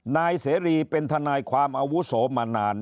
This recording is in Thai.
นายเสรีเป็นทนายความอาวุโสมานาน